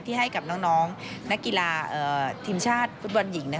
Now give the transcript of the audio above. ที่ให้กับน้องนักกีฬาทีมชาติฝุ่นวรรณหญิง